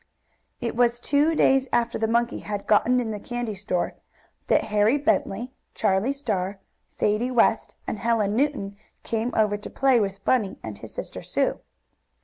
It was two days after the monkey had gotten in the candy store that Harry Bentley, Charlie Star, Sadie West and Helen Newton came over to play with Bunny and his sister Sue.